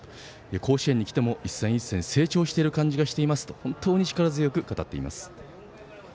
甲子園にきても一戦一戦成長している感じがしますと本当に力強く語っています。